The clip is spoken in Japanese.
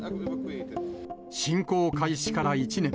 侵攻開始から１年。